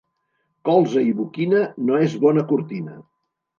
Colze i boquina no és bona cortina.